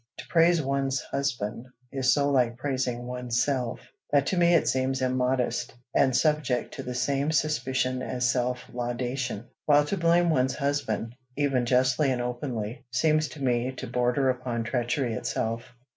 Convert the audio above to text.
To praise one's husband is so like praising one's self, that to me it seems immodest, and subject to the same suspicion as self laudation; while to blame one's husband, even justly and openly, seems to me to border upon treachery itself.